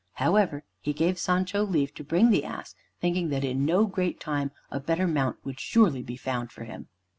However, he gave Sancho leave to bring the ass, thinking that in no great time a better mount would surely be found for him.